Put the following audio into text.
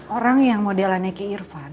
orang yang modelannya ke irfan